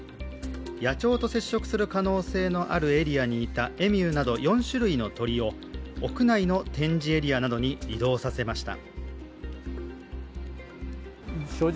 野鳥と接触する可能性があるエリアにいたエミューなど４種類の鳥を屋内の展示エリアなどに移動させました。